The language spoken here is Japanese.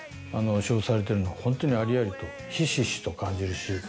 仕事されてるのがホントにありありとひしひしと感じるし。